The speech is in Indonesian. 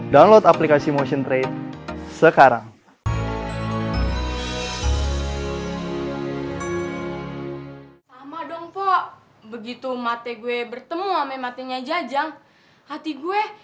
download aplikasi motion trade sekarang